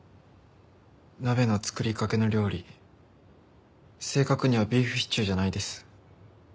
鍋の作りかけの料理正確にはビーフシチューじゃないです。